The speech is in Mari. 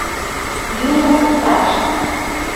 Юмо утарыш!..